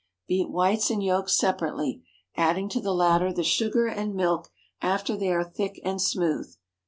Beat whites and yolks separately, adding to the latter the sugar and milk after they are thick and smooth.